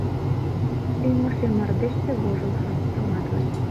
Ӱҥышӧ мардежше вожылшо, тыматле.